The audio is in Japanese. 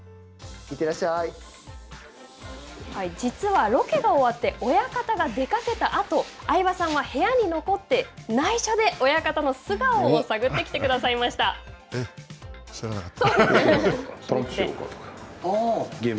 実はロケが終わって親方が出かけたあと、相葉さんは部屋に残って内緒で親方の素顔を探ってきて知らなかった。